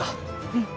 うん。